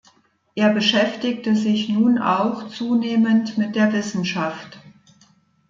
Er beschäftigte sich nun auch zunehmend mit der Wissenschaft.